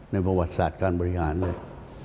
ประวัติศาสตร์การบริหารเนี่ย